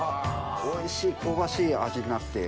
おいしい香ばしい味になって。